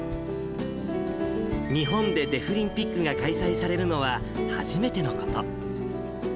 日本でデフリンピックが開催されるのは初めてのこと。